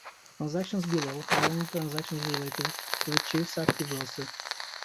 Transactions below are only transactions related to the Chiefs active roster.